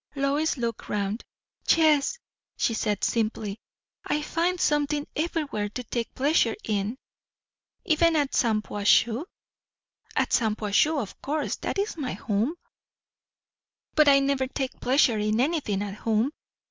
Lois looked round. "Yes," she said simply. "I find something everywhere to take pleasure in." "Even at Shampuashuh?" "At Shampuashuh, of course. That is my home." "But I never take pleasure in anything at home.